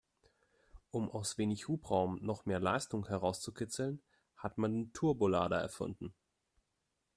Um aus wenig Hubraum noch mehr Leistung herauszukitzeln, hat man Turbolader erfunden.